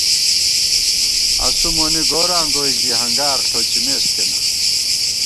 اسُو مونی گوراں گوئی ژِی ہنگار ݪوچِمېس کېنا